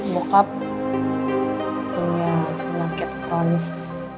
bokap punya penyakit kronis